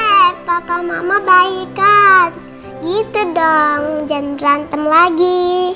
hai harai papa mama baikkan gitu dong jangan rantem lagi